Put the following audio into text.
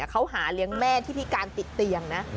เขาหาเลี้ยงแม่ที่พิการติดเตียงนะ